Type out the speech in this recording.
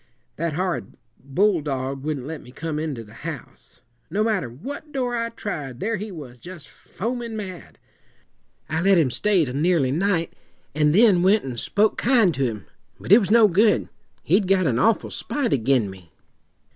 "That horrid bulldog wouldn't let me come into the house! No matter what door I tried, there he was, just foamin' mad. I let him stay till nearly night, and then went and spoke kind to him; but it was no good. He'd got an awful spite ag'in me.